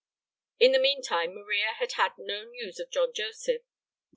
But meantime Maria had had no news of John Joseph.